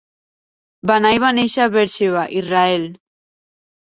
Banai va néixer a Beersheba, Israel.